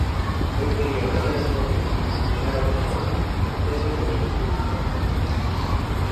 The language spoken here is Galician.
Eu quería saber a súa opinión, non era o mesmo debate, vostede podía explicalo.